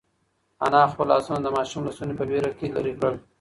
انا خپل لاسونه د ماشوم له ستوني په وېره کې لرې کړل.